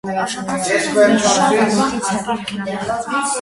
Արժանացել է մի շարք բարձր պարգևների։